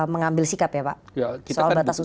mengambil sikap ya pak soal batas usia